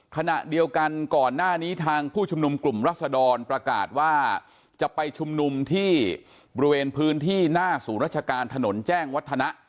ขณะเดียวกันก่อนหน้านี้ทางผู้ชุมนุมกลุ่มรัศดรประกาศว่าจะไปชุมนุมที่บริเวณพื้นที่หน้าศูนย์ราชการถนนแจ้งวัฒนะ